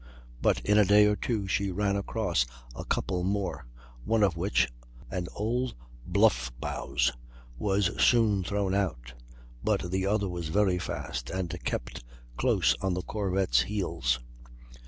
But in a day or two she ran across a couple more, one of which, an old bluff bows, was soon thrown out; but the other was very fast, and kept close on the corvette's heels.